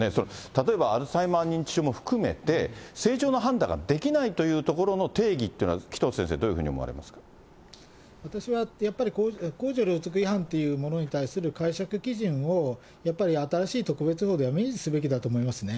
例えばアルツハイマー認知症も含めて、正常な判断ができないというところの定義っていうのは紀藤先生、私はやっぱり、公序良俗違反というものに対する解釈基準を、やはり新しい特別法では明示すべきだと思いますね。